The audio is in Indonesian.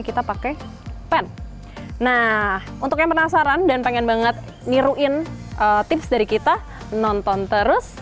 kita pakai pen nah untuk yang penasaran dan pengen banget niruin tips dari kita nonton terus